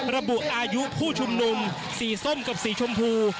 ระบุอายุผู้ชุมนุมสีส้มกับสีชมพู